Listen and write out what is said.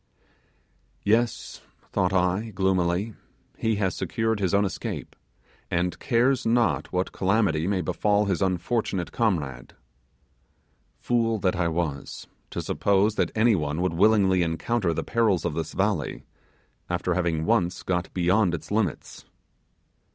Yes; thought I, gloomily, he has secured his own escape, and cares not what calamity may befall his unfortunate comrade. Fool that I was, to suppose that any one would willingly encounter the perils of this valley, after having once got beyond its limits!